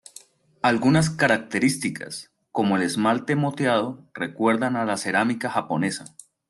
Algunas características, como el esmalte moteado recuerdan a la cerámica japonesa.